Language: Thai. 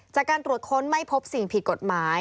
จากการตรวจค้นไม่พบสิ่งผิดกฎหมาย